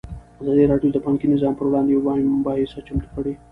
ازادي راډیو د بانکي نظام پر وړاندې یوه مباحثه چمتو کړې.